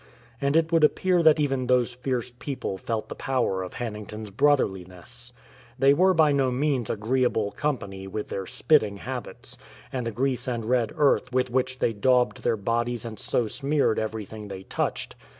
And it would appear that even those fierce people felt the power of Hannington's brotherliness. They were by no means agreeable company, with their spitting habits, and the grease and red earth with which they daubed their bodies and so smeared everything they touched.